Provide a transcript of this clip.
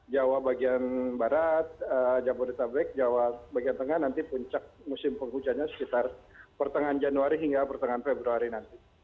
jawa bagian barat jabodetabek jawa bagian tengah nanti puncak musim penghujannya sekitar pertengahan januari hingga pertengahan februari nanti